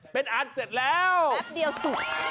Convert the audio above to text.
เป็นอันเสร็จแล้วแป๊บเดียวสุก